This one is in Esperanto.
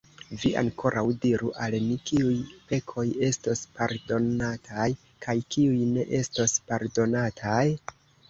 Vi ankoraŭ diru al ni: kiuj pekoj estos pardonataj kaj kiuj ne estos pardonataj?